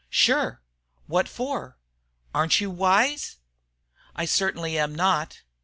"Sure." "What for?" "Aren't you wise?" "I certainly am not."